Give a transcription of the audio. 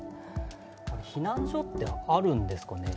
避難所ってあるんですかね？